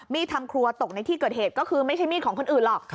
ทำครัวตกในที่เกิดเหตุก็คือไม่ใช่มีดของคนอื่นหรอก